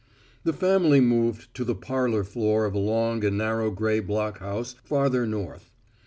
The family moved to the parlor floor of a long and narrow gray block house farther north.